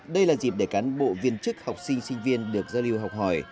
đây là dịp để cán bộ viên chức học sinh sinh viên được giao lưu học hỏi